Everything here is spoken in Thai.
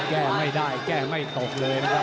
แก้ไม่ได้แก้ไม่ตกเลยนะครับ